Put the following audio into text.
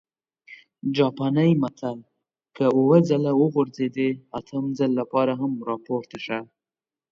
جاپانى متل: که اووه ځل وغورځېدې، اتم ځل لپاره هم راپورته شه!